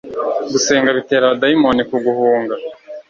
gusenga bitera abadayimoni kuguhunga